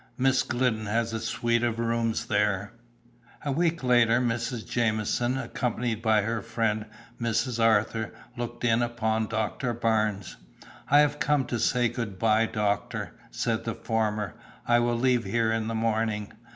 Miss Glidden has a suite of rooms there." A week later Mrs. Jamieson, accompanied by her friend, Mrs. Arthur, looked in upon Doctor Barnes. "I have come to say good bye, doctor," said the former. "I leave here in the morning.